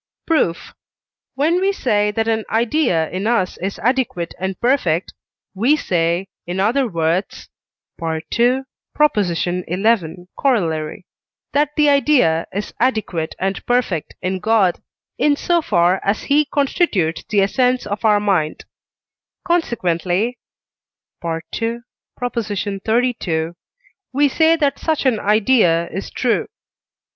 Proof. When we say that an idea in us is adequate and perfect, we say, in other words (II. xi. Coroll.), that the idea is adequate and perfect in God, in so far as he constitutes the essence of our mind; consequently (II. xxxii.), we say that such an idea is true.